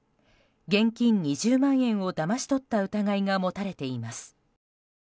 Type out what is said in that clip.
現金２０万円をだまし取った疑いが持たれています。